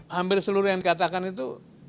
hampir seluruh yang dikatakan itu